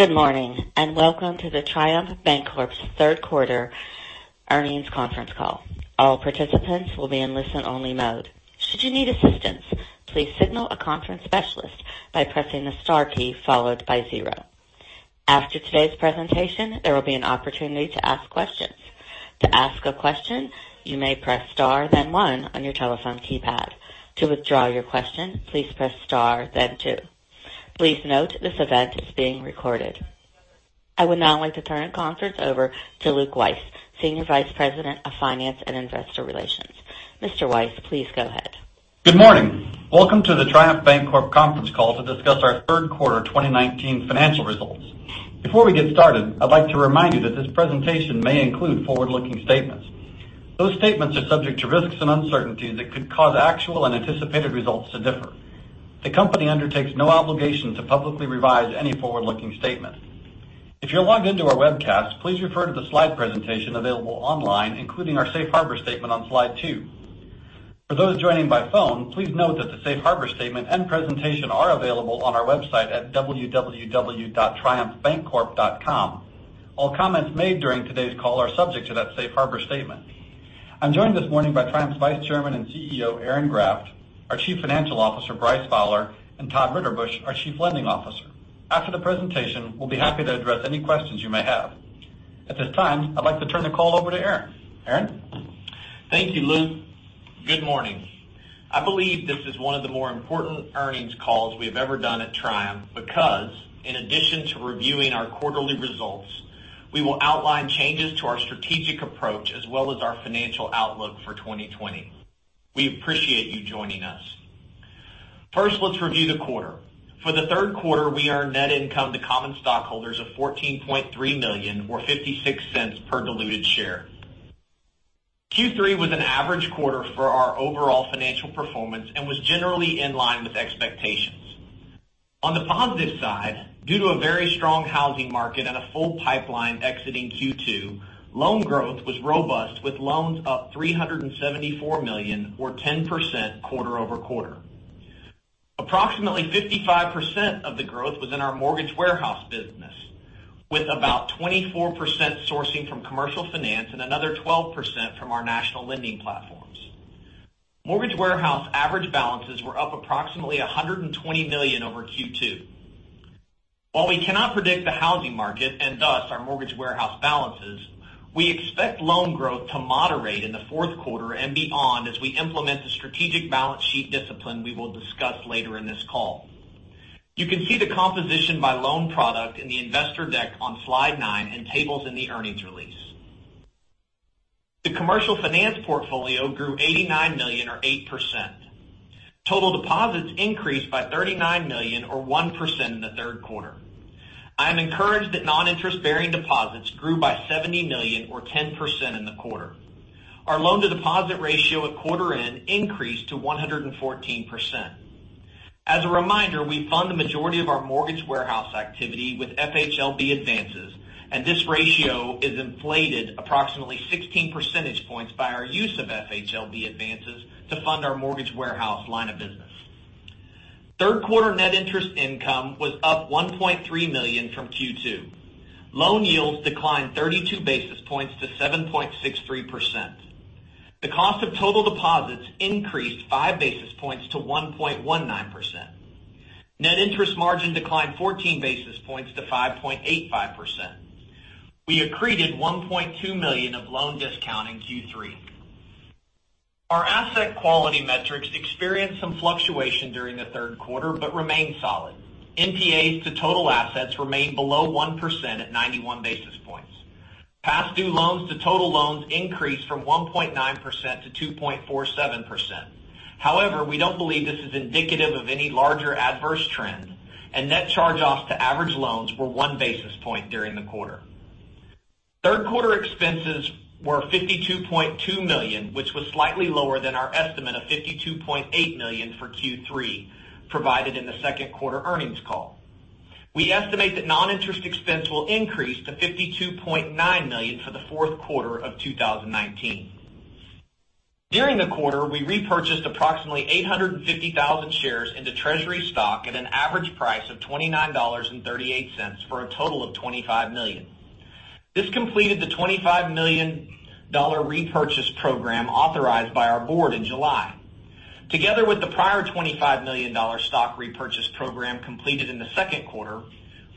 Good morning, and welcome to the Triumph Bancorp's third quarter earnings conference call. All participants will be in listen-only mode. Should you need assistance, please signal a conference specialist by pressing the star key followed by zero. After today's presentation, there will be an opportunity to ask questions. To ask a question, you may press star then one on your telephone keypad. To withdraw your question, please press star then two. Please note this event is being recorded. I would now like to turn the conference over to Luke Wyse, Senior Vice President of Finance and Investor Relations. Mr. Wyse, please go ahead. Good morning. Welcome to the Triumph Bancorp conference call to discuss our third quarter 2019 financial results. Before we get started, I'd like to remind you that this presentation may include forward-looking statements. Those statements are subject to risks and uncertainties that could cause actual and anticipated results to differ. The company undertakes no obligation to publicly revise any forward-looking statement. If you're logged into our webcast, please refer to the slide presentation available online, including our safe harbor statement on slide two. For those joining by phone, please note that the safe harbor statement and presentation are available on our website at www.triumphbancorp.com. All comments made during today's call are subject to that safe harbor statement. I'm joined this morning by Triumph's Vice Chairman and CEO, Aaron Graft, our Chief Financial Officer, Bryce Fowler, and Todd Ritterbusch, our Chief Lending Officer. After the presentation, we'll be happy to address any questions you may have. At this time, I'd like to turn the call over to Aaron. Aaron? Thank you, Luke. Good morning. I believe this is one of the more important earnings calls we have ever done at Triumph because, in addition to reviewing our quarterly results, we will outline changes to our strategic approach as well as our financial outlook for 2020. We appreciate you joining us. First, let's review the quarter. For the third quarter, we earned net income to common stockholders of $14.3 million, or $0.56 per diluted share. Q3 was an average quarter for our overall financial performance and was generally in line with expectations. On the positive side, due to a very strong housing market and a full pipeline exiting Q2, loan growth was robust with loans up $374 million, or 10% quarter-over-quarter. Approximately 55% of the growth was in our mortgage warehouse business, with about 24% sourcing from commercial finance and another 12% from our national lending platforms. Mortgage warehouse average balances were up approximately $120 million over Q2. While we cannot predict the housing market and thus our mortgage warehouse balances, we expect loan growth to moderate in the fourth quarter and beyond as we implement the strategic balance sheet discipline we will discuss later in this call. You can see the composition by loan product in the investor deck on slide nine and tables in the earnings release. The commercial finance portfolio grew $89 million or 8%. Total deposits increased by $39 million or 1% in the third quarter. I am encouraged that non-interest-bearing deposits grew by $70 million or 10% in the quarter. Our loan-to-deposit ratio at quarter end increased to 114%. As a reminder, we fund the majority of our mortgage warehouse activity with FHLB advances, and this ratio is inflated approximately 16 percentage points by our use of FHLB advances to fund our mortgage warehouse line of business. Third quarter net interest income was up $1.3 million from Q2. Loan yields declined 32 basis points to 7.63%. The cost of total deposits increased five basis points to 1.19%. Net interest margin declined 14 basis points to 5.85%. We accreted $1.2 million of loan discount in Q3. Our asset quality metrics experienced some fluctuation during the third quarter, but remain solid. NPAs to total assets remain below 1% at 91 basis points. Past due loans to total loans increased from 1.9%-2.47%. We don't believe this is indicative of any larger adverse trend, and net charge-offs to average loans were one basis point during the quarter. Third quarter expenses were $52.2 million, which was slightly lower than our estimate of $52.8 million for Q3 provided in the second quarter earnings call. We estimate that non-interest expense will increase to $52.9 million for the fourth quarter of 2019. During the quarter, we repurchased approximately 850,000 shares into treasury stock at an average price of $29.38 for a total of $25 million. This completed the $25 million repurchase program authorized by our board in July. Together with the prior $25 million stock repurchase program completed in the second quarter,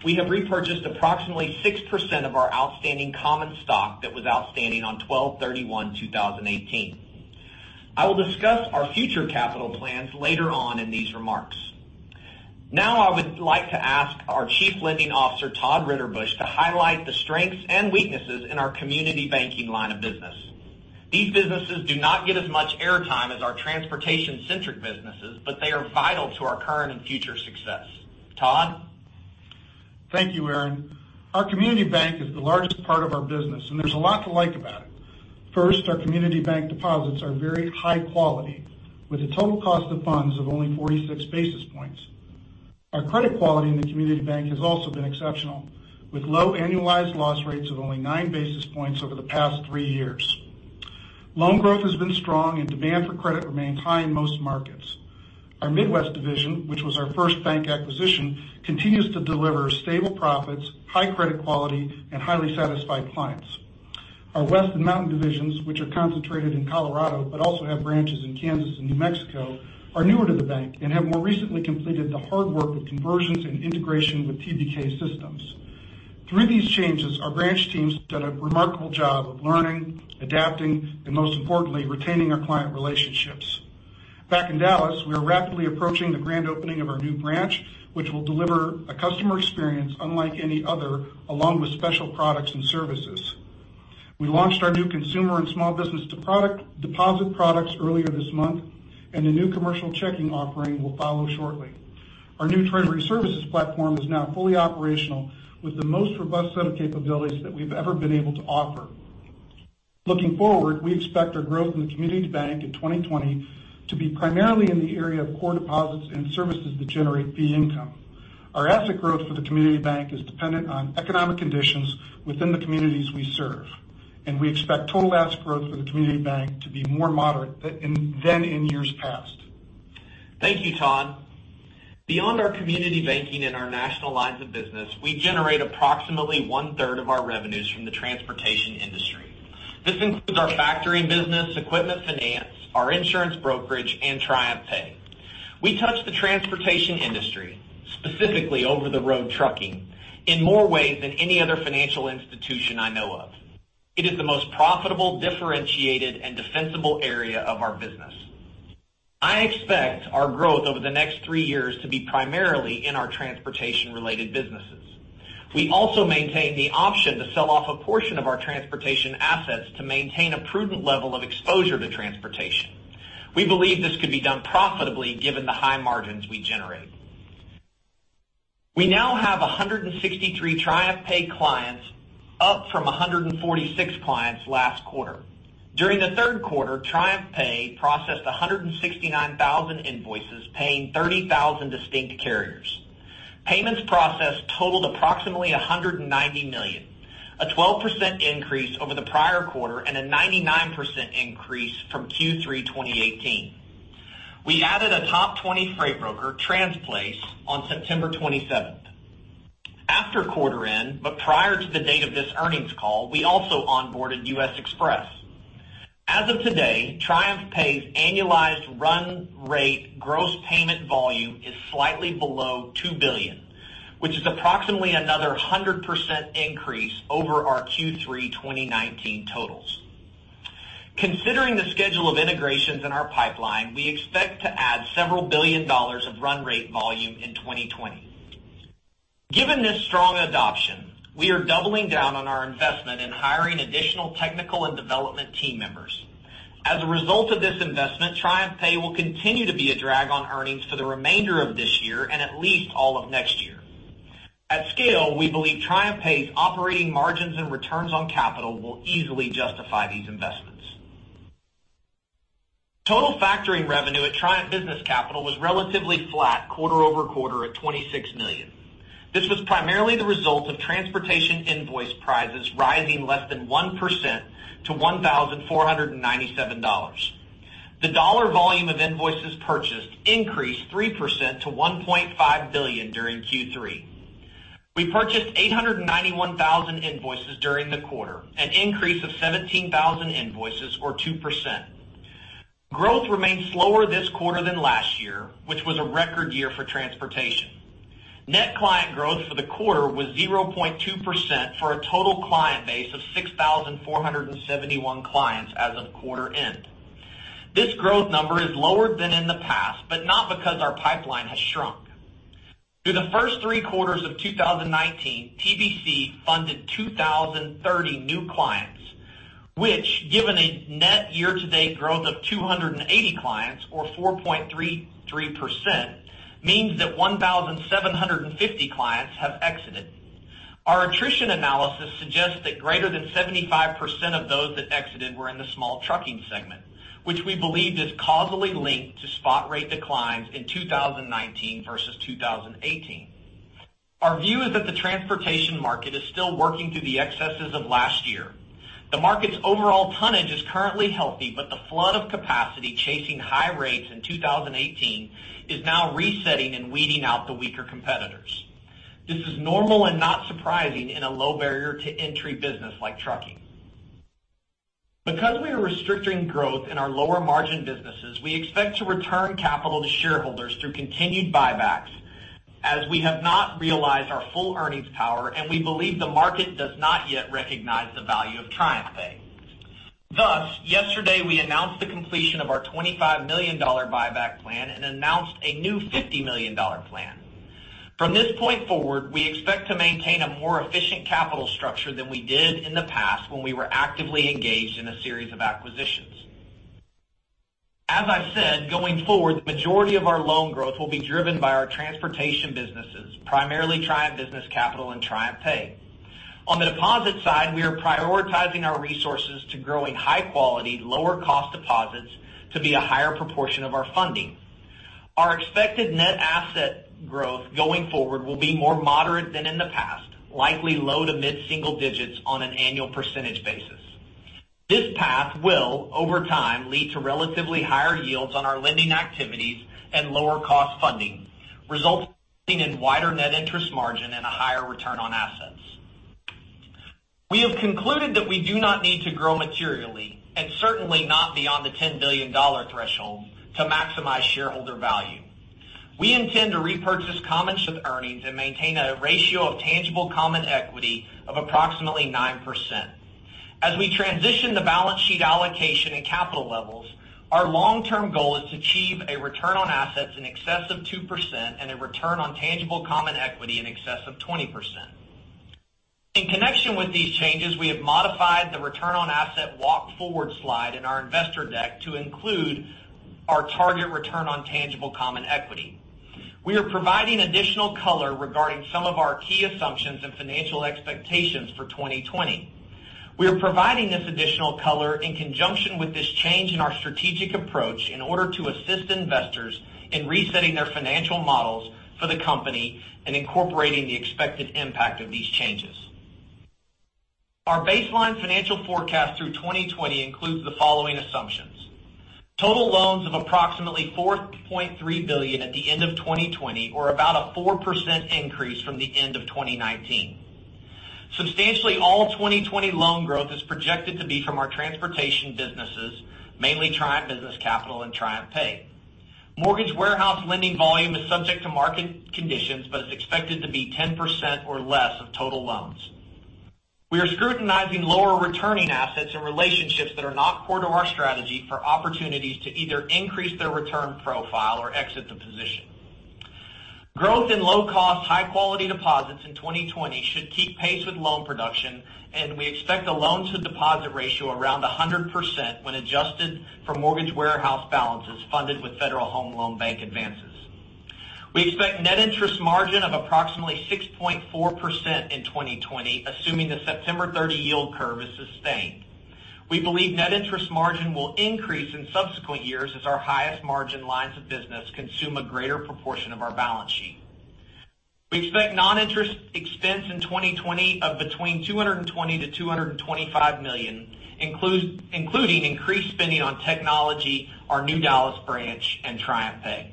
we have repurchased approximately 6% of our outstanding common stock that was outstanding on 12/31/2018. I will discuss our future capital plans later on in these remarks. Now, I would like to ask our Chief Lending Officer, Todd Ritterbusch, to highlight the strengths and weaknesses in our community banking line of business. These businesses do not get as much air time as our transportation-centric businesses, but they are vital to our current and future success. Todd? Thank you, Aaron. Our community bank is the largest part of our business, and there's a lot to like about it. First, our community bank deposits are very high quality, with a total cost of funds of only 46 basis points. Our credit quality in the community bank has also been exceptional, with low annualized loss rates of only nine basis points over the past three years. Loan growth has been strong, and demand for credit remains high in most markets. Our Midwest Division, which was our first bank acquisition, continues to deliver stable profits, high credit quality, and highly satisfied clients. Our West and Mountain Divisions, which are concentrated in Colorado, but also have branches in Kansas and New Mexico, are newer to the bank and have more recently completed the hard work of conversions and integration with TBK systems. Through these changes, our branch teams have done a remarkable job of learning, adapting, and most importantly, retaining our client relationships. Back in Dallas, we are rapidly approaching the grand opening of our new branch, which will deliver a customer experience unlike any other, along with special products and services. We launched our new consumer and small business deposit products earlier this month, and a new commercial checking offering will follow shortly. Our new treasury services platform is now fully operational with the most robust set of capabilities that we've ever been able to offer. Looking forward, we expect our growth in the community bank in 2020 to be primarily in the area of core deposits and services that generate fee income. Our asset growth for the community bank is dependent on economic conditions within the communities we serve, and we expect total asset growth for the community bank to be more moderate than in years past. Thank you, Todd. Beyond our community banking and our national lines of business, we generate approximately one-third of our revenues from the transportation industry. This includes our factoring business, equipment finance, our insurance brokerage, and TriumphPay. We touch the transportation industry, specifically over-the-road trucking, in more ways than any other financial institution I know of. It is the most profitable, differentiated, and defensible area of our business. I expect our growth over the next three years to be primarily in our transportation-related businesses. We also maintain the option to sell off a portion of our transportation assets to maintain a prudent level of exposure to transportation. We believe this could be done profitably given the high margins we generate. We now have 163 TriumphPay clients, up from 146 clients last quarter. During the third quarter, TriumphPay processed 169,000 invoices, paying 30,000 distinct carriers. Payments processed totaled approximately $190 million, a 12% increase over the prior quarter and a 99% increase from Q3 2018. We added a top 20 freight broker, Transplace, on September 27th. After quarter end, but prior to the date of this earnings call, we also onboarded U.S. Xpress. As of today, TriumphPay's annualized run rate gross payment volume is slightly below $2 billion, which is approximately another 100% increase over our Q3 2019 totals. Considering the schedule of integrations in our pipeline, we expect to add several billion dollars of run rate volume in 2020. Given this strong adoption, we are doubling down on our investment in hiring additional technical and development team members. As a result of this investment, TriumphPay will continue to be a drag on earnings for the remainder of this year and at least all of next year. At scale, we believe TriumphPay's operating margins and returns on capital will easily justify these investments. Total factoring revenue at Triumph Business Capital was relatively flat quarter-over-quarter at $26 million. This was primarily the result of transportation invoice prices rising less than 1% to $1,497. The dollar volume of invoices purchased increased 3% to $1.5 billion during Q3. We purchased 891,000 invoices during the quarter, an increase of 17,000 invoices or 2%. Growth remained slower this quarter than last year, which was a record year for transportation. Net client growth for the quarter was 0.2% for a total client base of 6,471 clients as of quarter end. This growth number is lower than in the past, but not because our pipeline has shrunk. Through the first three quarters of 2019, TBC funded 2,030 new clients, which, given a net year-to-date growth of 280 clients or 4.33%, means that 1,750 clients have exited. Our attrition analysis suggests that greater than 75% of those that exited were in the small trucking segment, which we believe is causally linked to spot rate declines in 2019 versus 2018. Our view is that the transportation market is still working through the excesses of last year. The market's overall tonnage is currently healthy, but the flood of capacity chasing high rates in 2018 is now resetting and weeding out the weaker competitors. This is normal and not surprising in a low barrier to entry business like trucking. Because we are restricting growth in our lower margin businesses, we expect to return capital to shareholders through continued buybacks as we have not realized our full earnings power, and we believe the market does not yet recognize the value of TriumphPay. Yesterday, we announced the completion of our $25 million buyback plan and announced a new $50 million plan. From this point forward, we expect to maintain a more efficient capital structure than we did in the past when we were actively engaged in a series of acquisitions. As I've said, going forward, the majority of our loan growth will be driven by our transportation businesses, primarily Triumph Business Capital and TriumphPay. On the deposit side, we are prioritizing our resources to growing high quality, lower cost deposits to be a higher proportion of our funding. Our expected net asset growth going forward will be more moderate than in the past, likely low to mid-single digits on an annual percentage basis. This path will, over time, lead to relatively higher yields on our lending activities and lower cost funding, resulting in wider net interest margin and a higher return on assets. We have concluded that we do not need to grow materially, and certainly not beyond the $10 billion threshold, to maximize shareholder value. We intend to repurchase common earnings and maintain a ratio of tangible common equity of approximately 9%. As we transition the balance sheet allocation and capital levels, our long-term goal is to achieve a return on assets in excess of 2% and a return on tangible common equity in excess of 20%. In connection with these changes, we have modified the return on asset walk forward slide in our investor deck to include our target return on tangible common equity. We are providing additional color regarding some of our key assumptions and financial expectations for 2020. We are providing this additional color in conjunction with this change in our strategic approach in order to assist investors in resetting their financial models for the company and incorporating the expected impact of these changes. Our baseline financial forecast through 2020 includes the following assumptions. Total loans of approximately $4.3 billion at the end of 2020, or about a 4% increase from the end of 2019. Substantially all 2020 loan growth is projected to be from our transportation businesses, mainly Triumph Business Capital and TriumphPay. Mortgage warehouse lending volume is subject to market conditions but is expected to be 10% or less of total loans. We are scrutinizing lower returning assets and relationships that are not core to our strategy for opportunities to either increase their return profile or exit the position. Growth in low-cost, high-quality deposits in 2020 should keep pace with loan production, we expect a loan to deposit ratio around 100% when adjusted for mortgage warehouse balances funded with Federal Home Loan Bank advances. We expect net interest margin of approximately 6.4% in 2020, assuming the September 30 yield curve is sustained. We believe net interest margin will increase in subsequent years as our highest margin lines of business consume a greater proportion of our balance sheet. We expect non-interest expense in 2020 of between $220 million-$225 million, including increased spending on technology, our new Dallas branch, and TriumphPay.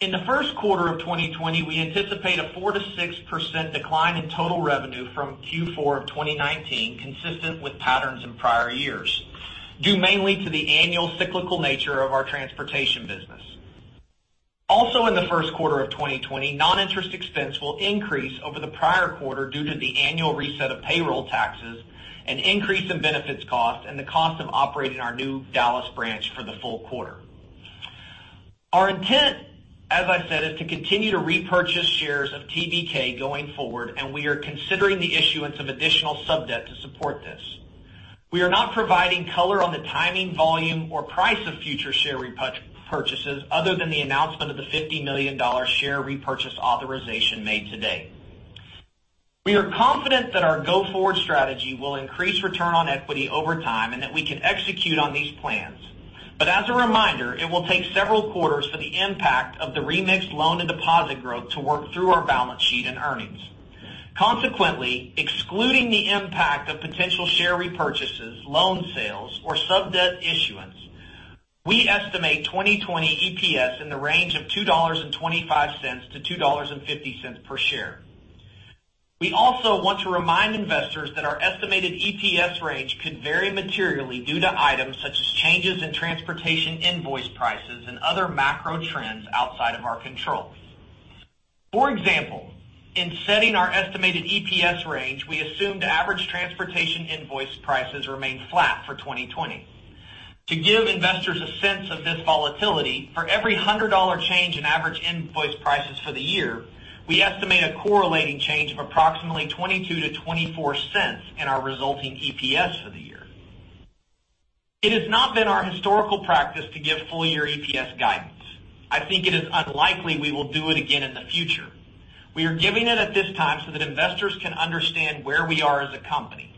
In the first quarter of 2020, we anticipate a 4%-6% decline in total revenue from Q4 of 2019, consistent with patterns in prior years, due mainly to the annual cyclical nature of our transportation business. In the first quarter of 2020, non-interest expense will increase over the prior quarter due to the annual reset of payroll taxes, an increase in benefits cost, and the cost of operating our new Dallas branch for the full quarter. Our intent, as I said, is to continue to repurchase shares of TBK going forward, and we are considering the issuance of additional sub-debt to support this. We are not providing color on the timing, volume, or price of future share repurchases, other than the announcement of the $50 million share repurchase authorization made today. As a reminder, it will take several quarters for the impact of the remixed loan and deposit growth to work through our balance sheet and earnings. Consequently, excluding the impact of potential share repurchases, loan sales, or sub-debt issuance, we estimate 2020 EPS in the range of $2.25-$2.50 per share. We also want to remind investors that our estimated EPS range could vary materially due to items such as changes in transportation invoice prices and other macro trends outside of our control. For example, in setting our estimated EPS range, we assumed average transportation invoice prices remained flat for 2020. To give investors a sense of this volatility, for every $100 change in average invoice prices for the year, we estimate a correlating change of approximately $0.22-$0.24 in our resulting EPS for the year. It has not been our historical practice to give full-year EPS guidance. I think it is unlikely we will do it again in the future. We are giving it at this time so that investors can understand where we are as a company.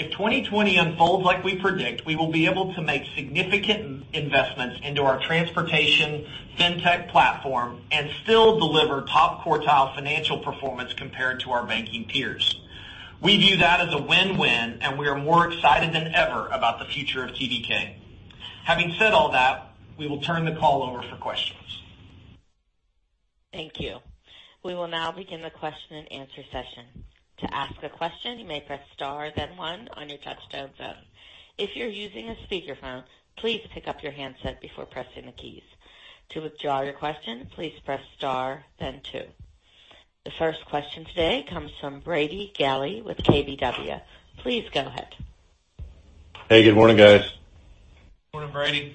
If 2020 unfolds like we predict, we will be able to make significant investments into our transportation FinTech platform and still deliver top-quartile financial performance compared to our banking peers. We view that as a win-win, and we are more excited than ever about the future of TBK. Having said all that, we will turn the call over for questions. Thank you. We will now begin the question and answer session. To ask a question, you may press star then one on your touchtone phone. If you're using a speakerphone, please pick up your handset before pressing the keys. To withdraw your question, please press star then two. The first question today comes from Brady Gailey with KBW. Please go ahead. Hey, good morning, guys. Morning, Brady.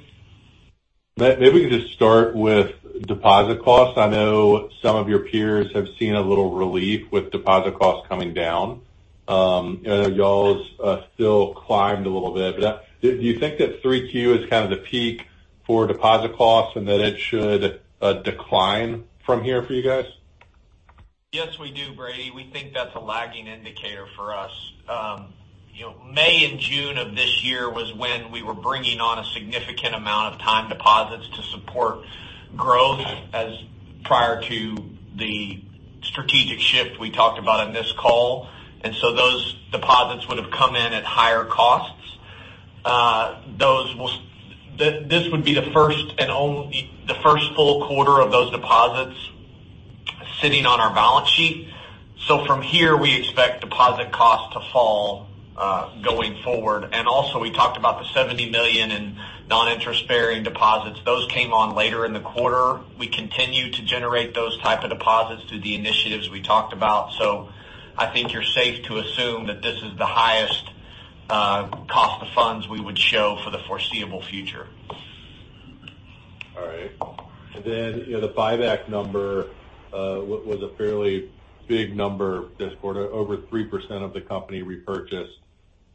Maybe we can just start with deposit costs. I know some of your peers have seen a little relief with deposit costs coming down. I know y'all's still climbed a little bit, but do you think that 3Q is kind of the peak for deposit costs and that it should decline from here for you guys? Yes, we do, Brady. We think that's a lagging indicator for us. May and June of this year was when we were bringing on a significant amount of time deposits to support growth as prior to the strategic shift we talked about on this call. Those deposits would have come in at higher costs. This would be the first full quarter of those deposits sitting on our balance sheet. From here, we expect deposit costs to fall going forward. We talked about the $70 million in non-interest-bearing deposits. Those came on later in the quarter. We continue to generate those type of deposits through the initiatives we talked about. I think you're safe to assume that this is the highest cost of funds we would show for the foreseeable future. All right. The buyback number was a fairly big number this quarter, over 3% of the company repurchased.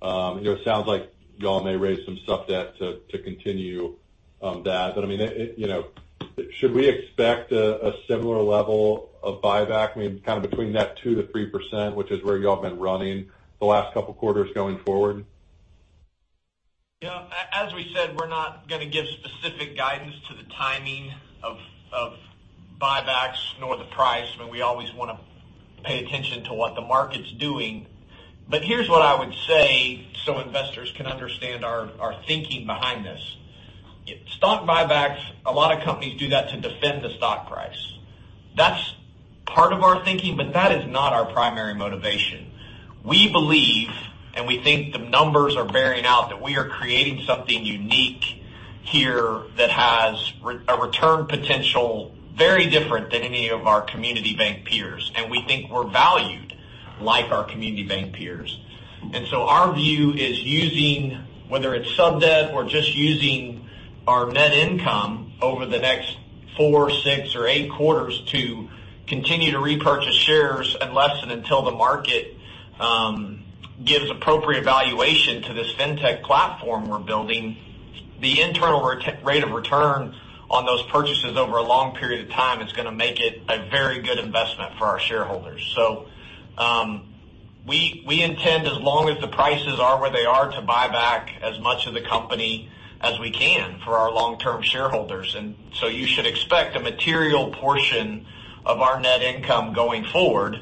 It sounds like you all may raise some sub-debt to continue that. Should we expect a similar level of buyback, maybe between that 2%-3%, which is where you all have been running the last couple of quarters going forward? As we said, we're not going to give specific guidance to the timing of buybacks nor the price. We always want to pay attention to what the market's doing. Here's what I would say so investors can understand our thinking behind this. Stock buybacks, a lot of companies do that to defend the stock price. That's part of our thinking, but that is not our primary motivation. We believe, and we think the numbers are bearing out, that we are creating something unique here that has a return potential very different than any of our community bank peers. We think we're valued like our community bank peers. Our view is using, whether it's sub-debt or just using our net income over the next four, six, or eight quarters to continue to repurchase shares unless and until the market gives appropriate valuation to this FinTech platform we're building. The internal rate of return on those purchases over a long period of time is going to make it a very good investment for our shareholders. We intend, as long as the prices are where they are, to buy back as much of the company as we can for our long-term shareholders. You should expect a material portion of our net income going forward,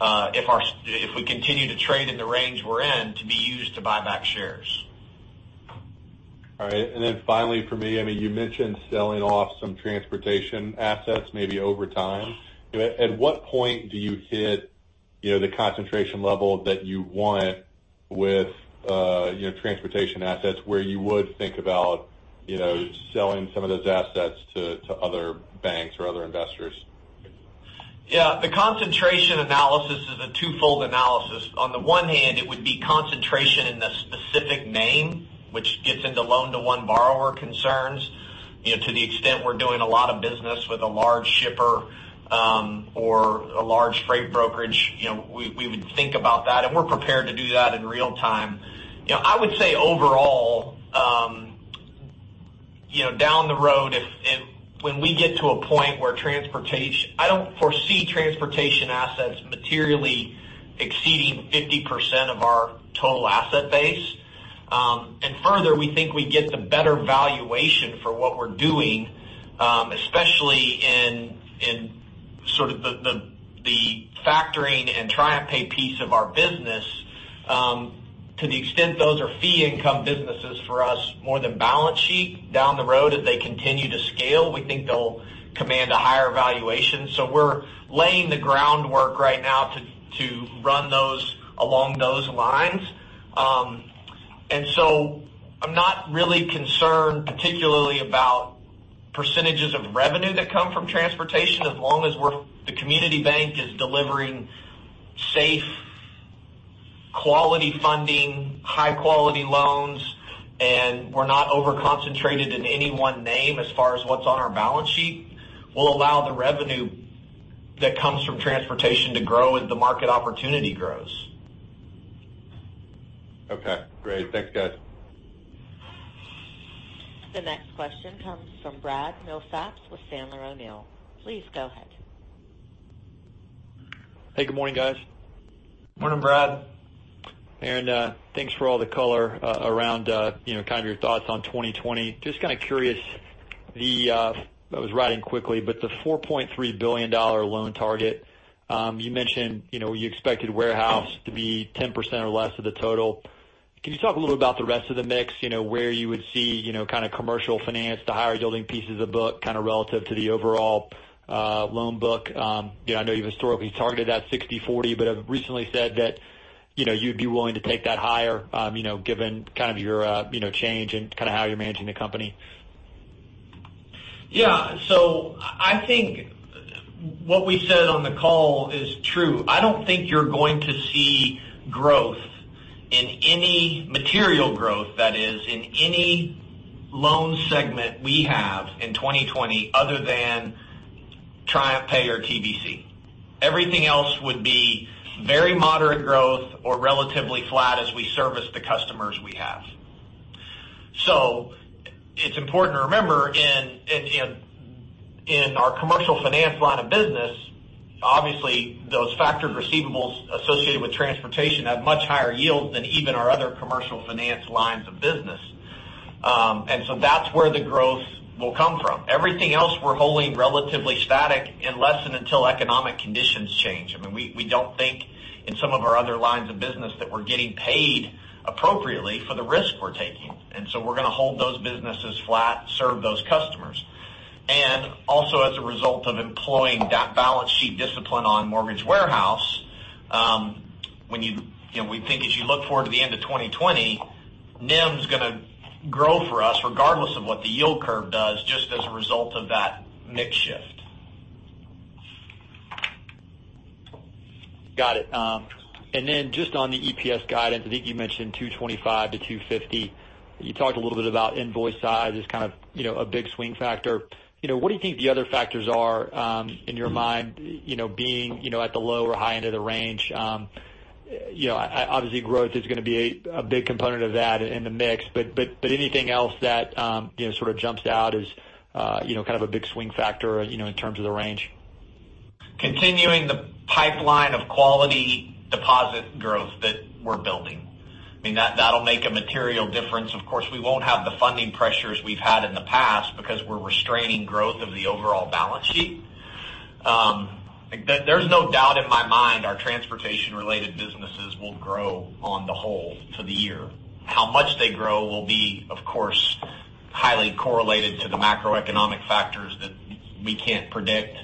if we continue to trade in the range we're in, to be used to buy back shares. All right. Finally from me, you mentioned selling off some transportation assets maybe over time. At what point do you hit the concentration level that you want with transportation assets where you would think about selling some of those assets to other banks or other investors? The concentration analysis is a twofold analysis. On the one hand, it would be concentration in the specific name, which gets into loan-to-one-borrower concerns. To the extent we're doing a lot of business with a large shipper or a large freight brokerage, we would think about that, and we're prepared to do that in real time. I would say overall, down the road, when we get to a point where transportation-- I don't foresee transportation assets materially exceeding 50% of our total asset base. Further, we think we get the better valuation for what we're doing, especially in the factoring and TriumphPay piece of our business, to the extent those are fee income businesses for us more than balance sheet. Down the road, as they continue to scale, we think they'll command a higher valuation. We're laying the groundwork right now to run those along those lines. I'm not really concerned particularly about % of revenue that come from transportation as long as the community bank is delivering safe, quality funding, high-quality loans, and we're not over-concentrated in any one name as far as what's on our balance sheet. We'll allow the revenue that comes from transportation to grow as the market opportunity grows. Okay, great. Thanks, guys. The next question comes from Brad Milsaps with Sandler O'Neill. Please go ahead. Hey, good morning, guys. Morning, Brad. Thanks for all the color around your thoughts on 2020. Kind of curious, I was writing quickly, but the $4.3 billion loan target, you mentioned you expected warehouse to be 10% or less of the total. Can you talk a little about the rest of the mix, where you would see commercial finance, the higher yielding pieces of book, kind of relative to the overall loan book? I know you've historically targeted that 60/40, but have recently said that you'd be willing to take that higher given your change in how you're managing the company. Yeah. I think what we said on the call is true. I don't think you're going to see growth in any, material growth that is, in any loan segment we have in 2020 other than TriumphPay or TBC. Everything else would be very moderate growth or relatively flat as we service the customers we have. So it's important to remember in our commercial finance line of business, obviously those factors receivables associated with transportation have much higher yields than even our other commercial finance lines of business. That's where the growth will come from. Everything else we're holding relatively static unless and until economic conditions change. We don't think in some of our other lines of business that we're getting paid appropriately for the risk we're taking. We're going to hold those businesses flat, serve those customers. Also as a result of employing that balance sheet discipline on Mortgage Warehouse, we think as you look forward to the end of 2020, NIM's going to grow for us regardless of what the yield curve does, just as a result of that mix shift. Got it. Just on the EPS guidance, I think you mentioned $2.25-$2.50. You talked a little bit about invoice size as kind of a big swing factor. What do you think the other factors are in your mind being at the low or high end of the range? Obviously growth is going to be a big component of that in the mix. Anything else that sort of jumps out as kind of a big swing factor in terms of the range? Continuing the pipeline of quality deposit growth that we're building. That'll make a material difference. Of course, we won't have the funding pressures we've had in the past because we're restraining growth of the overall balance sheet. There's no doubt in my mind our transportation related businesses will grow on the whole for the year. How much they grow will be, of course, highly correlated to the macroeconomic factors that we can't predict.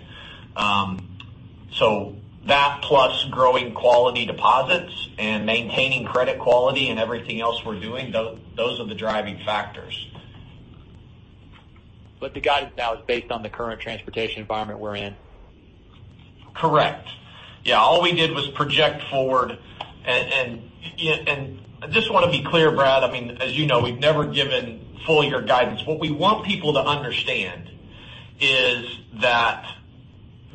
So that plus growing quality deposits and maintaining credit quality and everything else we're doing, those are the driving factors. The guidance now is based on the current transportation environment we're in. Correct. Yeah. All we did was project forward. I just want to be clear, Brad, as you know, we've never given full year guidance. What we want people to understand is that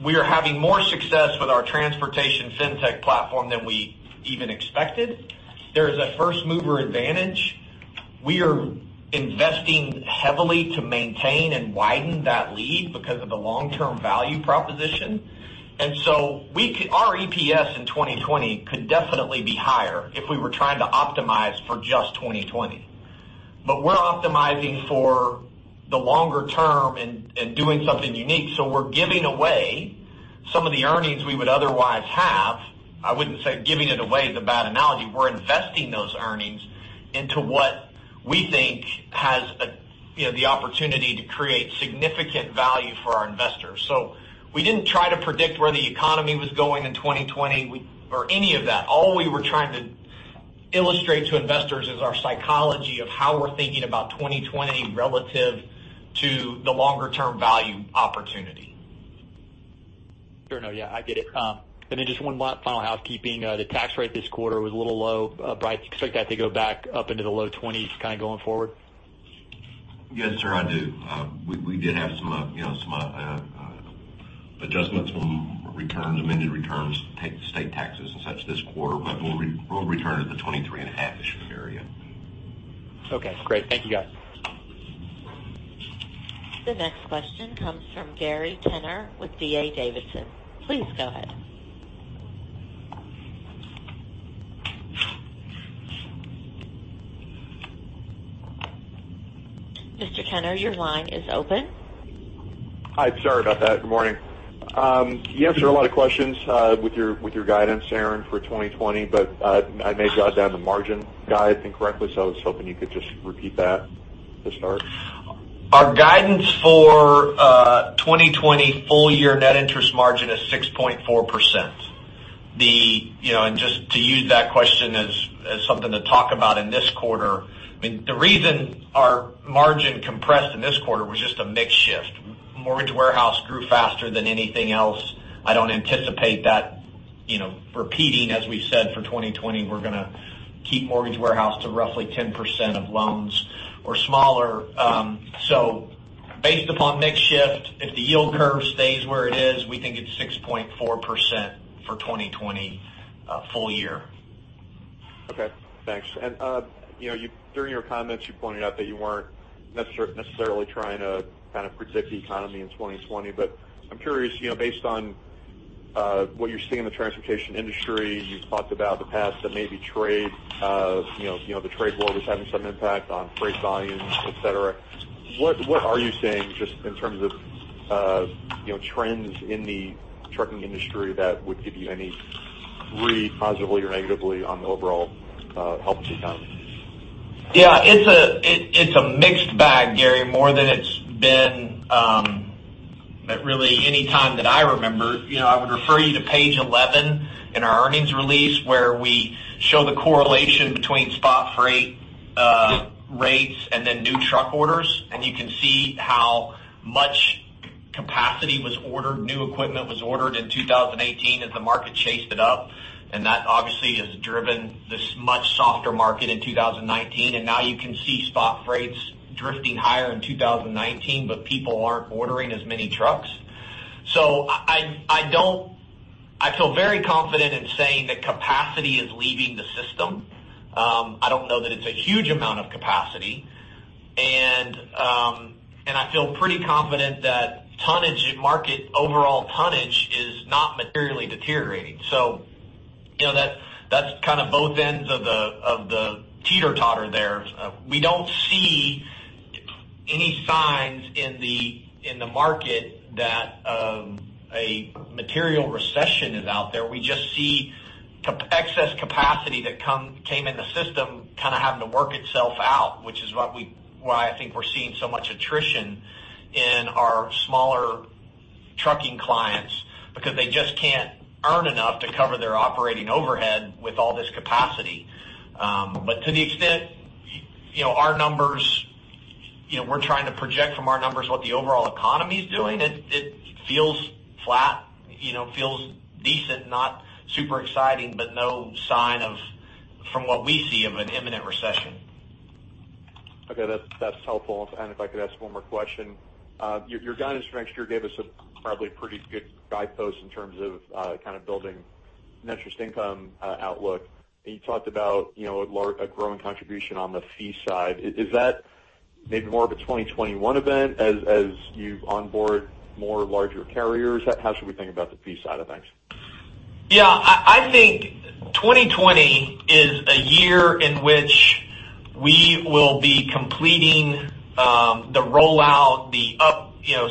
we are having more success with our transportation FinTech platform than we even expected. There is a first mover advantage. We are investing heavily to maintain and widen that lead because of the long-term value proposition. Our EPS in 2020 could definitely be higher if we were trying to optimize for just 2020. We're optimizing for the longer term and doing something unique. We're giving away some of the earnings we would otherwise have. I wouldn't say giving it away is a bad analogy. We're investing those earnings into what we think has the opportunity to create significant value for our investors. We didn't try to predict where the economy was going in 2020 or any of that. All we were trying to illustrate to investors is our psychology of how we're thinking about 2020 relative to the longer term value opportunity. Sure. No, yeah, I get it. Just one final housekeeping. The tax rate this quarter was a little low. Bryce, do you expect that to go back up into the low 20s kind of going forward? Yes, sir, I do. We did have some adjustments on returns, amended returns, state taxes and such this quarter, but we'll return to the 23 and a half-ish area. Okay, great. Thank you, guys. The next question comes from Gary Tenner with D.A. Davidson. Please go ahead. Mr. Tenner, your line is open. Hi. Sorry about that. Good morning. You answered a lot of questions with your guidance, Aaron, for 2020. I may jot down the margin guide incorrectly. I was hoping you could just repeat that to start. Our guidance for 2020 full year net interest margin is 6.4%. Just to use that question as something to talk about in this quarter, the reason our margin compressed in this quarter was just a mix shift. Mortgage Warehouse grew faster than anything else. I don't anticipate that repeating, as we've said for 2020, we're going to keep Mortgage Warehouse to roughly 10% of loans or smaller. Based upon mix shift, if the yield curve stays where it is, we think it's 6.4% for 2020 full year. Okay, thanks. During your comments, you pointed out that you weren't necessarily trying to kind of predict the economy in 2020, but I'm curious, based on what you're seeing in the transportation industry, you've talked about the past that maybe the trade war was having some impact on freight volumes, et cetera. What are you seeing just in terms of trends in the trucking industry that would give you any read positively or negatively on the overall health of the economy? Yeah, it's a mixed bag, Gary, more than it's been at really any time that I remember. I would refer you to page 11 in our earnings release, where we show the correlation between spot freight rates and then new truck orders, and you can see how much capacity was ordered, new equipment was ordered in 2018 as the market chased it up. That obviously has driven this much softer market in 2019. Now you can see spot freights drifting higher in 2019, but people aren't ordering as many trucks. I feel very confident in saying that capacity is leaving the system. I don't know that it's a huge amount of capacity, and I feel pretty confident that market overall tonnage is not materially deteriorating. That's both ends of the teeter-totter there. We don't see any signs in the market that a material recession is out there. We just see excess capacity that came in the system having to work itself out, which is why I think we're seeing so much attrition in our smaller trucking clients because they just can't earn enough to cover their operating overhead with all this capacity. To the extent, we're trying to project from our numbers what the overall economy's doing. It feels flat, feels decent, not super exciting, but no sign, from what we see, of an imminent recession. Okay. That's helpful. If I could ask one more question. Your guidance for next year gave us a probably pretty good guidepost in terms of building an interest income outlook. You talked about a growing contribution on the fee side. Is that maybe more of a 2021 event as you onboard more larger carriers? How should we think about the fee side of things? I think 2020 is a year in which we will be completing the rollout,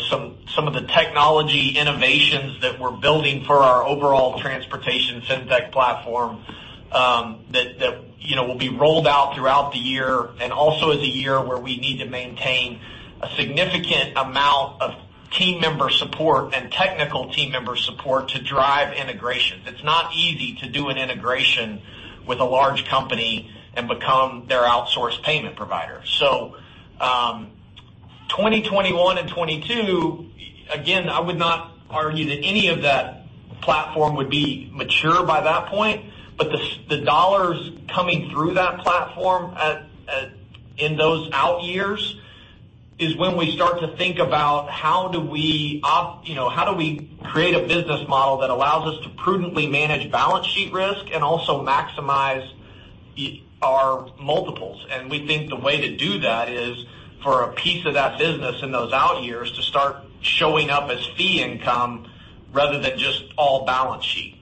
some of the technology innovations that we're building for our overall transportation FinTech platform, that will be rolled out throughout the year. Also is a year where we need to maintain a significant amount of team member support and technical team member support to drive integrations. It's not easy to do an integration with a large company and become their outsourced payment provider. 2021 and 2022, again, I would not argue that any of that platform would be mature by that point, but the $ coming through that platform in those out years is when we start to think about how do we create a business model that allows us to prudently manage balance sheet risk and also maximize our multiples. We think the way to do that is for a piece of that business in those out years to start showing up as fee income rather than just all balance sheet.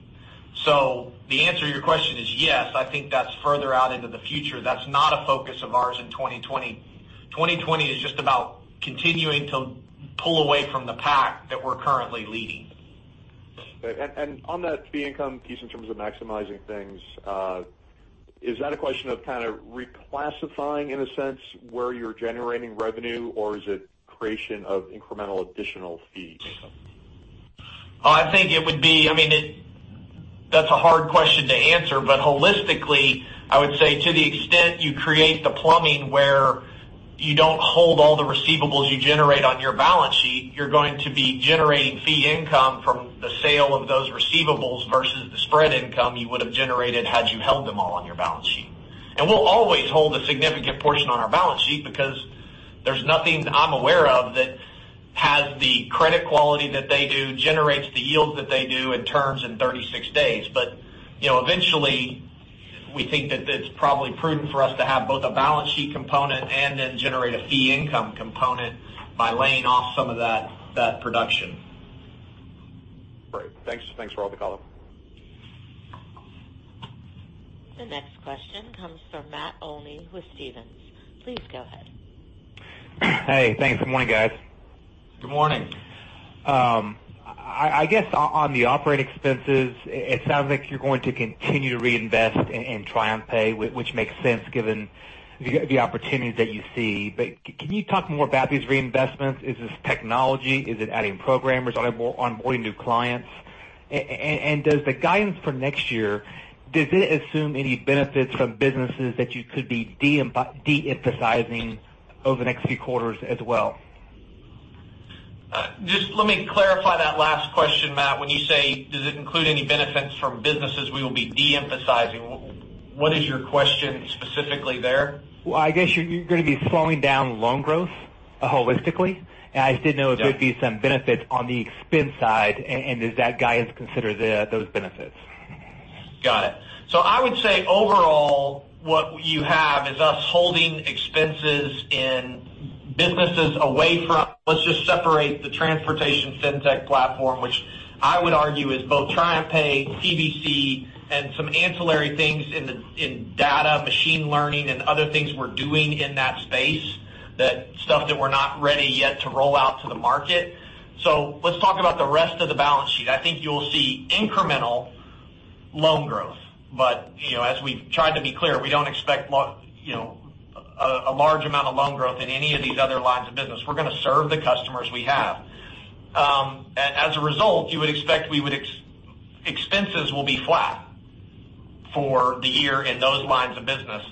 The answer to your question is yes, I think that's further out into the future. That's not a focus of ours in 2020. 2020 is just about continuing to pull away from the pack that we're currently leading. On that fee income piece, in terms of maximizing things, is that a question of reclassifying, in a sense, where you're generating revenue, or is it creation of incremental additional fee income? That's a hard question to answer. Holistically, I would say to the extent you create the plumbing where you don't hold all the receivables you generate on your balance sheet, you're going to be generating fee income from the sale of those receivables versus the spread income you would have generated had you held them all on your balance sheet. We'll always hold a significant portion on our balance sheet because there's nothing I'm aware of that has the credit quality that they do, generates the yields that they do in terms in 36 days. Eventually, we think that it's probably prudent for us to have both a balance sheet component and then generate a fee income component by laying off some of that production. Great. Thanks for all the color. The next question comes from Matt Olney with Stephens. Please go ahead. Hey, thanks. Good morning, guys. Good morning. I guess on the operating expenses, it sounds like you're going to continue to reinvest in TriumphPay, which makes sense given the opportunities that you see. Can you talk more about these reinvestments? Is this technology? Is it adding programmers, onboarding new clients? Does the guidance for next year, does it assume any benefits from businesses that you could be de-emphasizing over the next few quarters as well? Just let me clarify that last question, Matt. When you say, "Does it include any benefits from businesses we will be de-emphasizing?" What is your question specifically there? Well, I guess you're going to be slowing down loan growth holistically. I just didn't know. Yeah if there'd be some benefits on the spend side, and does that guidance consider those benefits? Got it. I would say overall, what you have is us holding expenses in businesses away from Let's just separate the transportation FinTech platform, which I would argue is both TriumphPay, TBC, and some ancillary things in data, machine learning, and other things we're doing in that space, that stuff that we're not ready yet to roll out to the market. Let's talk about the rest of the balance sheet. I think you'll see incremental loan growth. As we've tried to be clear, we don't expect a large amount of loan growth in any of these other lines of business. We're going to serve the customers we have. As a result, you would expect expenses will be flat for the year in those lines of business.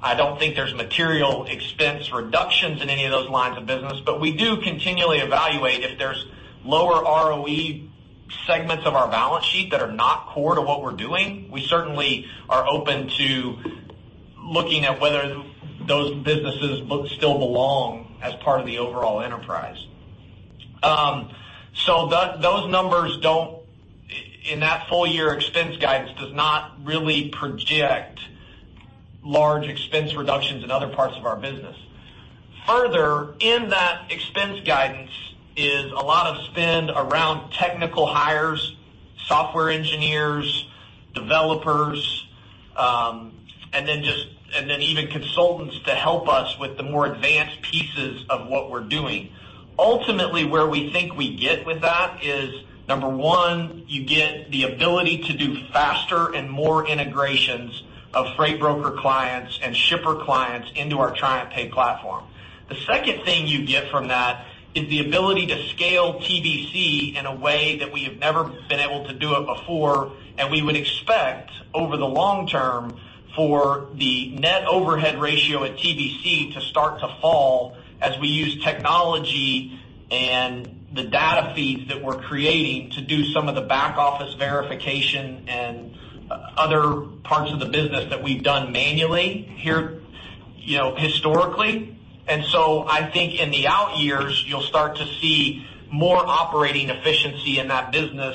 I don't think there's material expense reductions in any of those lines of business. We do continually evaluate if there's lower ROE segments of our balance sheet that are not core to what we're doing. We certainly are open to looking at whether those businesses still belong as part of the overall enterprise. Those numbers, in that full-year expense guidance, does not really project large expense reductions in other parts of our business. Further, in that expense guidance is a lot of spend around technical hires, software engineers, developers, and then even consultants to help us with the more advanced pieces of what we're doing. Ultimately, where we think we get with that is, number one, you get the ability to do faster and more integrations of freight broker clients and shipper clients into our TriumphPay platform. The second thing you get from that is the ability to scale TBC in a way that we have never been able to do it before. We would expect, over the long term, for the net overhead ratio at TBC to start to fall as we use technology and the data feeds that we're creating to do some of the back-office verification and other parts of the business that we've done manually here historically. I think in the out years, you'll start to see more operating efficiency in that business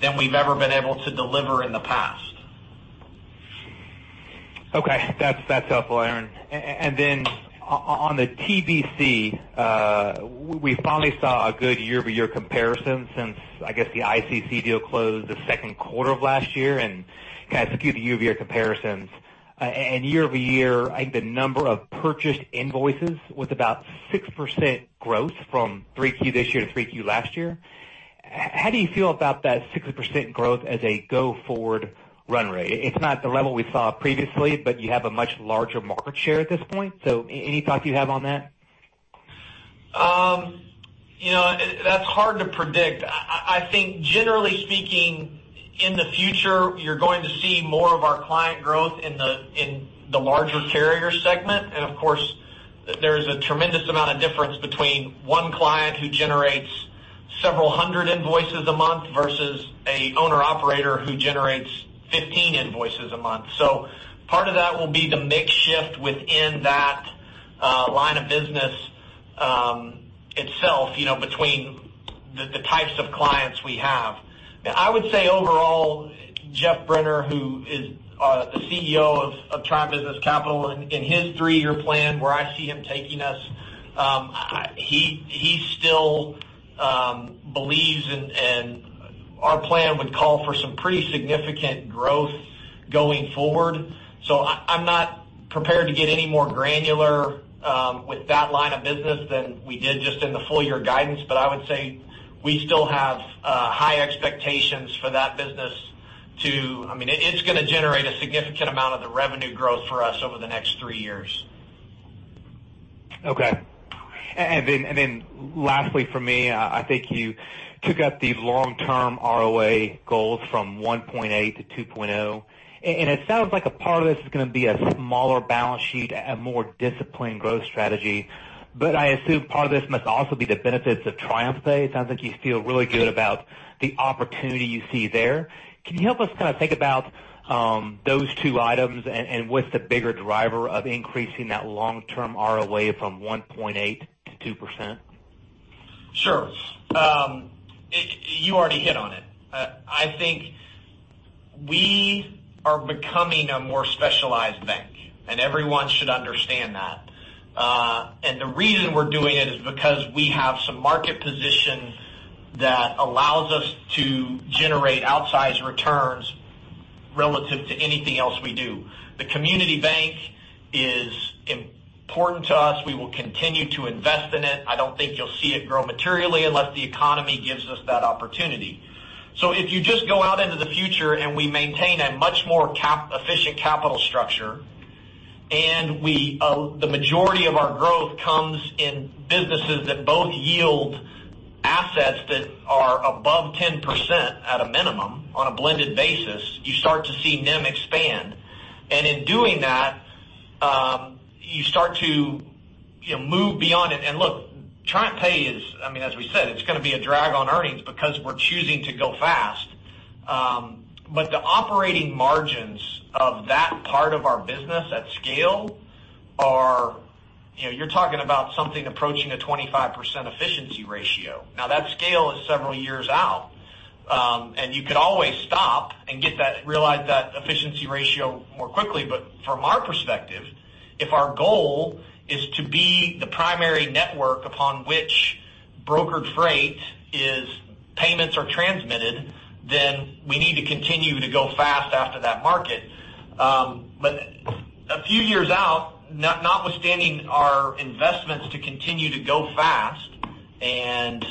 than we've ever been able to deliver in the past. Okay. That's helpful, Aaron. Then on the TBC, we finally saw a good year-over-year comparison since, I guess, the ICC deal closed the second quarter of last year. Guys, a few of the year-over-year comparisons. Year-over-year, I think the number of purchased invoices was about 6% growth from 3Q this year to 3Q last year. How do you feel about that 6% growth as a go-forward run rate? It's not the level we saw previously, but you have a much larger market share at this point. Any thoughts you have on that? That's hard to predict. I think generally speaking, in the future, you're going to see more of our client growth in the larger carrier segment. Of course, there is a tremendous amount of difference between one client who generates several hundred invoices a month versus an owner-operator who generates 15 invoices a month. Part of that will be the mix shift within that line of business itself between the types of clients we have. I would say overall, Geoff Brenner, who is the CEO of Triumph Business Capital, in his three-year plan, where I see him taking us, he still believes and our plan would call for some pretty significant growth going forward. I'm not prepared to get any more granular with that line of business than we did just in the full-year guidance. I would say we still have high expectations for that business. It's going to generate a significant amount of the revenue growth for us over the next three years. Okay. Lastly from me, I think you took out the long-term ROA goals from 1.8%-2.0%. It sounds like a part of this is going to be a smaller balance sheet, a more disciplined growth strategy. I assume part of this must also be the benefits of TriumphPay. It sounds like you feel really good about the opportunity you see there. Can you help us kind of think about those two items and what's the bigger driver of increasing that long-term ROA from 1.8%-2%? Sure. You already hit on it. I think we are becoming a more specialized bank. Everyone should understand that. The reason we're doing it is because we have some market position that allows us to generate outsized returns relative to anything else we do. The community bank is important to us. We will continue to invest in it. I don't think you'll see it grow materially unless the economy gives us that opportunity. If you just go out into the future and we maintain a much more efficient capital structure, and the majority of our growth comes in businesses that both yield assets that are above 10% at a minimum on a blended basis, you start to see NIM expand. In doing that, you start to move beyond it. Look, TriumphPay is, as we said, it's going to be a drag on earnings because we're choosing to go fast. The operating margins of that part of our business at scale are, you're talking about something approaching a 25% efficiency ratio. That scale is several years out. You could always stop and realize that efficiency ratio more quickly. From our perspective, if our goal is to be the primary network upon which brokered freight payments are transmitted, then we need to continue to go fast after that market. A few years out, notwithstanding our investments to continue to go fast and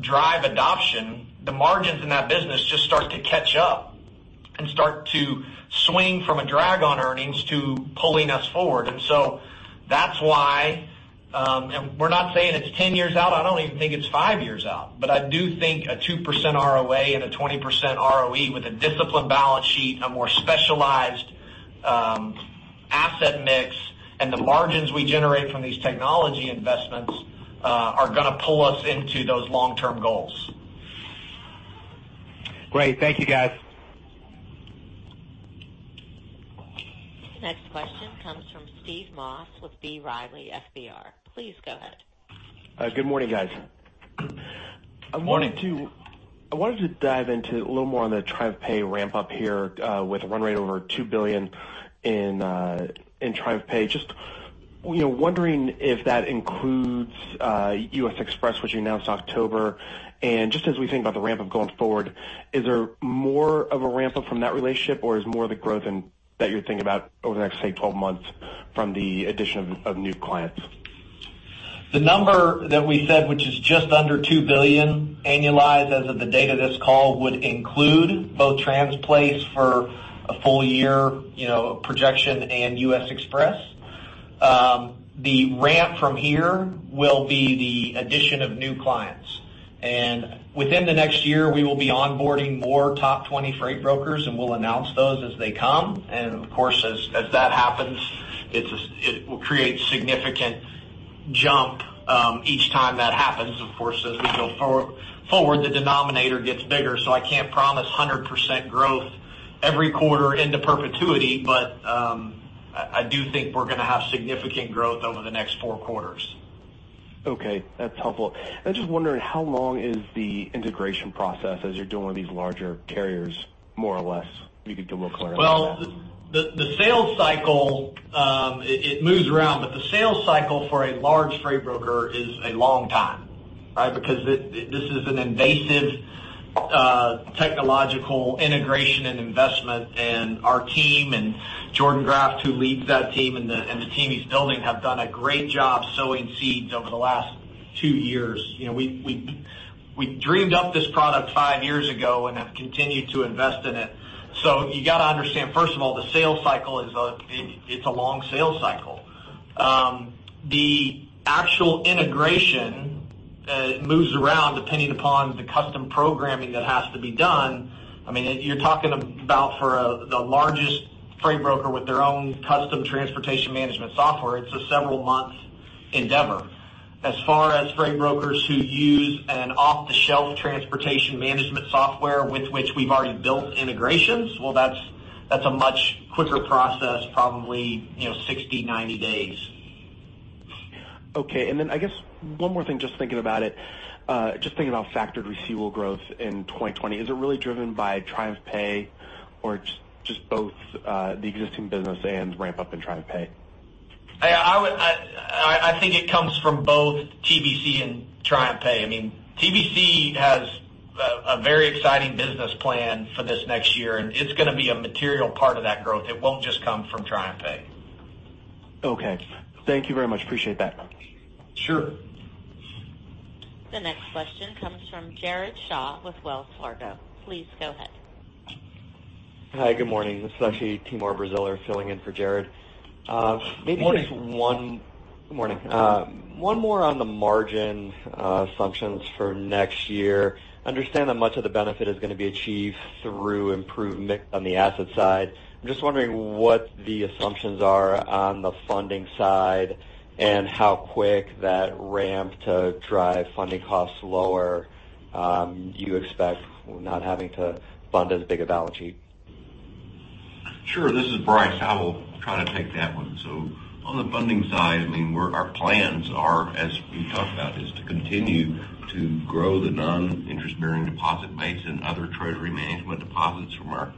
drive adoption, the margins in that business just start to catch up and start to swing from a drag on earnings to pulling us forward. We're not saying it's 10 years out. I don't even think it's five years out. I do think a 2% ROA and a 20% ROE with a disciplined balance sheet, a more specialized asset mix, and the margins we generate from these technology investments are going to pull us into those long-term goals. Great. Thank you, guys. Next question comes from Steve Moss with B. Riley FBR. Please go ahead. Good morning, guys. Morning. I wanted to dive into a little more on the TriumphPay ramp-up here with run rate over $2 billion in TriumphPay. Just wondering if that includes U.S. Xpress, which you announced October, and just as we think about the ramp-up going forward, is there more of a ramp-up from that relationship, or is more of the growth that you're thinking about over the next, say, 12 months from the addition of new clients? The number that we said, which is just under $2 billion annualized as of the date of this call, would include both Transplace for a full year projection and U.S. Xpress. The ramp from here will be the addition of new clients. Within the next year, we will be onboarding more top 20 freight brokers, and we'll announce those as they come. Of course, as that happens, it will create significant jump each time that happens. Of course, as we go forward, the denominator gets bigger. I can't promise 100% growth every quarter into perpetuity, but I do think we're going to have significant growth over the next four quarters. Okay. That's helpful. I was just wondering how long is the integration process as you're doing these larger carriers, more or less, if you could give a little clarity on that? The sales cycle, it moves around, but the sales cycle for a large freight broker is a long time. This is an invasive technological integration and investment, and our team and Jordan Graft, who leads that team, and the team he's building, have done a great job sowing seeds over the last two years. We dreamed up this product five years ago and have continued to invest in it. You got to understand, first of all, the sales cycle is a long sales cycle. The actual integration moves around depending upon the custom programming that has to be done. You're talking about for the largest freight broker with their own custom transportation management software, it's a several months endeavor. As far as freight brokers who use an off-the-shelf transportation management software with which we've already built integrations, well, that's a much quicker process, probably 60, 90 days. Okay, I guess one more thing, just thinking about it, just thinking about factored receivable growth in 2020. Is it really driven by TriumphPay or just both the existing business and ramp-up in TriumphPay? I think it comes from both TBC and TriumphPay. TBC has a very exciting business plan for this next year, and it's going to be a material part of that growth. It won't just come from TriumphPay. Okay. Thank you very much. Appreciate that. Sure. The next question comes from Jared Shaw with Wells Fargo. Please go ahead. Hi, good morning. This is actually Timur Braziler filling in for Jared. Morning. Good morning. One more on the margin assumptions for next year. Understand that much of the benefit is going to be achieved through improvement on the asset side. I'm just wondering what the assumptions are on the funding side and how quick that ramp to drive funding costs lower you expect not having to fund as big a balance sheet. Sure. This is Bryce Fowler. I'll try to take that one. On the funding side, our plans are, as we've talked about, is to continue to grow the non-interest bearing deposit base and other treasury management deposits from our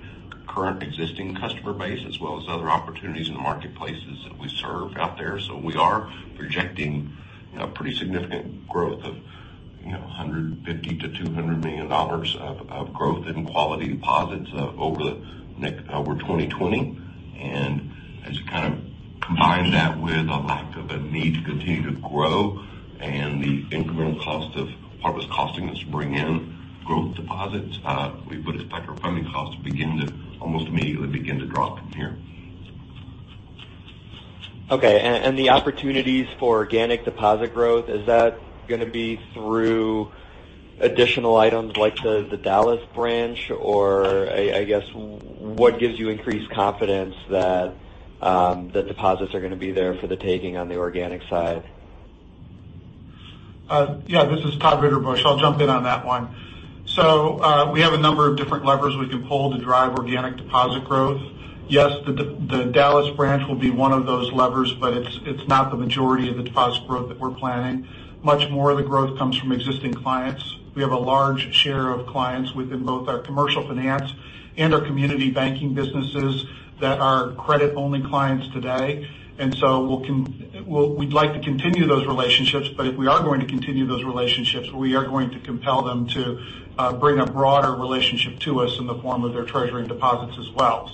current existing customer base as well as other opportunities in the marketplaces that we serve out there. We are projecting a pretty significant growth of $150 million-$200 million of growth in quality deposits over 2020. As you combine that with a lack of a need to continue to grow and the incremental cost of what it was costing us to bring in growth deposits, we would expect our funding costs to almost immediately begin to drop from here. Okay, the opportunities for organic deposit growth, is that going to be through additional items like the Dallas branch, or I guess what gives you increased confidence that the deposits are going to be there for the taking on the organic side? This is Todd Ritterbusch. I'll jump in on that one. We have a number of different levers we can pull to drive organic deposit growth. Yes, the Dallas branch will be one of those levers, but it's not the majority of the deposit growth that we're planning. Much more of the growth comes from existing clients. We have a large share of clients within both our commercial finance and our community banking businesses that are credit-only clients today. We'd like to continue those relationships, but if we are going to continue those relationships, we are going to compel them to bring a broader relationship to us in the form of their treasury and deposits as well.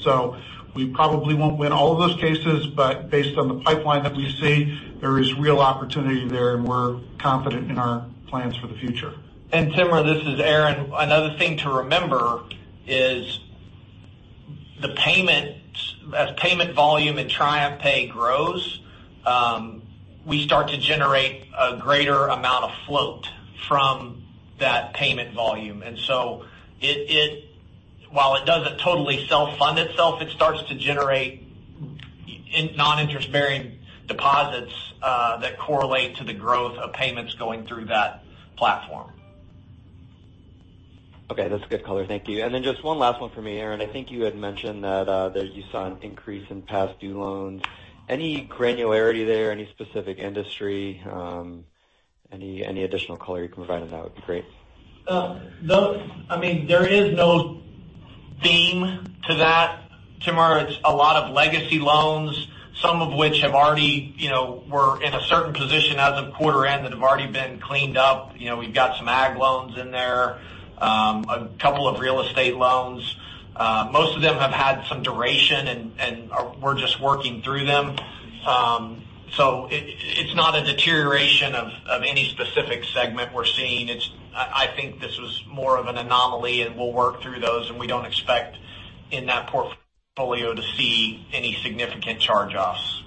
We probably won't win all of those cases, but based on the pipeline that we see, there is real opportunity there, and we're confident in our plans for the future. Timur, this is Aaron. Another thing to remember is as payment volume in TriumphPay grows, we start to generate a greater amount of float from that payment volume. While it doesn't totally self-fund itself, it starts to generate in non-interest-bearing deposits that correlate to the growth of payments going through that platform. Okay, that's good color. Thank you. Then just one last one for me, Aaron. I think you had mentioned that you saw an increase in past due loans. Any granularity there, any specific industry, any additional color you can provide on that would be great? There is no theme to that, Timur. It's a lot of legacy loans, some of which were in a certain position as of quarter end that have already been cleaned up. We've got some ag loans in there, a couple of real estate loans. Most of them have had some duration, and we're just working through them. It's not a deterioration of any specific segment we're seeing. I think this was more of an anomaly, and we'll work through those, and we don't expect in that portfolio to see any significant charge-offs.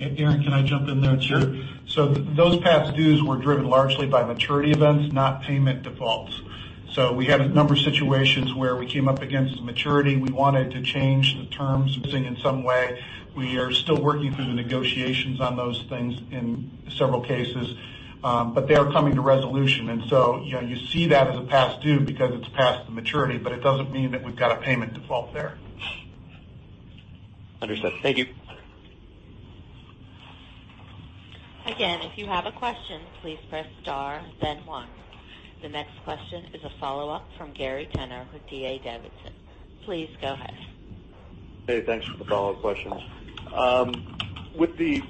Aaron, can I jump in there too? Sure. Those past dues were driven largely by maturity events, not payment defaults. We had a number of situations where we came up against maturity. We wanted to change the terms in some way. We are still working through the negotiations on those things in several cases. They are coming to resolution, and so you see that as a past due because it's past the maturity, but it doesn't mean that we've got a payment default there. Understood. Thank you. Again, if you have a question, please press star then one. The next question is a follow-up from Gary Tenner with D.A. Davidson. Please go ahead. Hey, thanks for the follow-up questions. With the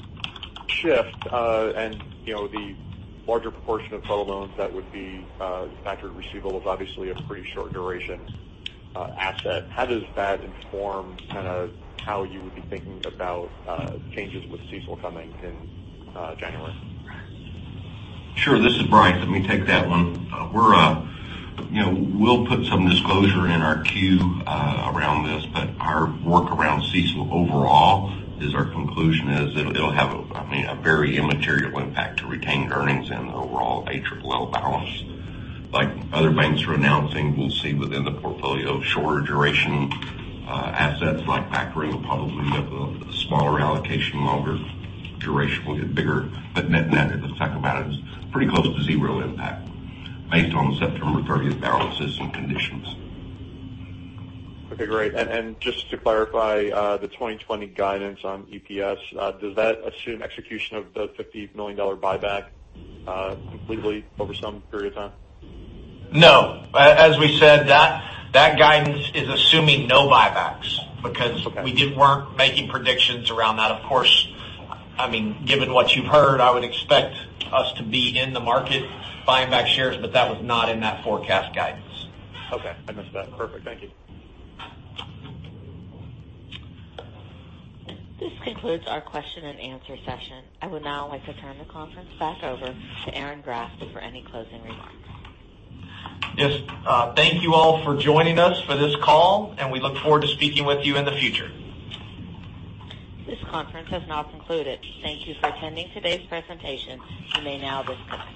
shift and the larger proportion of total loans that would be factored receivables, obviously a pretty short duration asset. How does that inform how you would be thinking about changes with CECL coming in January? Sure. This is Bryce. Let me take that one. We'll put some disclosure in our Q around this, but our work around CECL overall is our conclusion is it'll have a very immaterial impact to retained earnings and the overall ALLL balance. Like other banks are announcing, we'll see within the portfolio shorter duration assets like factoring will probably have a smaller allocation, longer duration will get bigger. Net-net, if you think about it's pretty close to zero impact based on September 30th balances and conditions. Okay, great. Just to clarify the 2020 guidance on EPS, does that assume execution of the $50 million buyback completely over some period of time? No. As we said, that guidance is assuming no buybacks because. Okay We weren't making predictions around that. Of course, given what you've heard, I would expect us to be in the market buying back shares, but that was not in that forecast guidance. Okay. I missed that. Perfect. Thank you. This concludes our question and answer session. I would now like to turn the conference back over to Aaron Graft for any closing remarks. Yes. Thank you all for joining us for this call, and we look forward to speaking with you in the future. This conference has now concluded. Thank you for attending today's presentation. You may now disconnect.